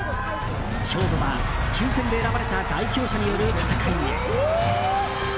勝負は抽選で選ばれた代表者による戦いへ。